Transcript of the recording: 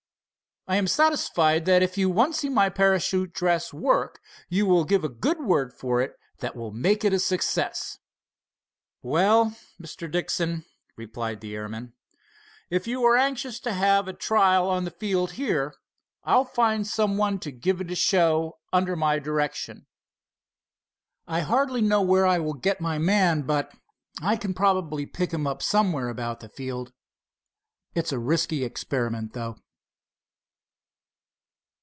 I am satisfied if you once see my parachute dress work, you will give a good word for it that will make it a success." "Well, Mr. Dixon," replied the airman, "if you are anxious to have a trial on the field here, I'll find some one to give it a show, under my direction. I hardly know where I will get my man, but I can probably pick him up somewhere about the field. It's a risky experiment, though."